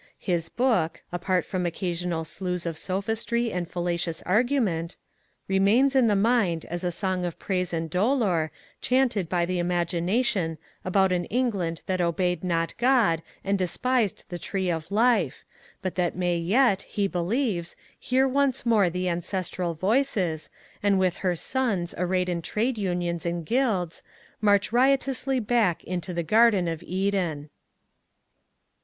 His book (apart from occasional sloughs of sophistry and fallacious argument) remains in the mind as a song of praise and dolour chanted by the imagination about an England that obeyed not God and despised the Tree of Life, but that may yet, he believes, hear once more the ancestral voices, and with her sons arrayed in trade unions and guilds, march riotously back into the Garden of Eden.